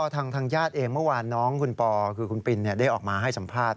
ทางญาติเองเมื่อวานน้องคุณปอคือคุณปินได้ออกมาให้สัมภาษณ